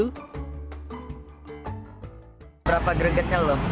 seberapa gregetnya lo